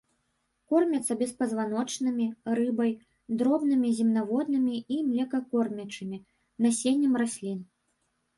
Кормяцца беспазваночнымі, рыбай, дробнымі земнаводнымі і млекакормячымі, насеннем раслін.